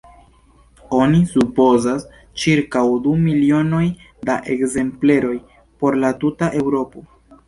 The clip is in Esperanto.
Oni supozas ĉirkaŭ du milionojn da ekzempleroj por la tuta Eŭropo.